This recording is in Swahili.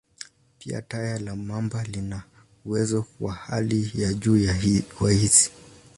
Pia, taya la mamba lina uwezo wa hali ya juu wa hisi.